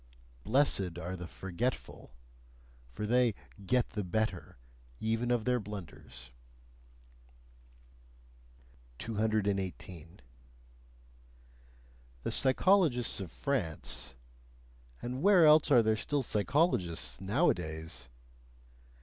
Blessed are the forgetful: for they "get the better" even of their blunders. 218. The psychologists of France and where else are there still psychologists nowadays?